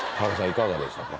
いかがでしたか？